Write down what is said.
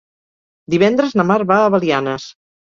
Divendres na Mar va a Belianes.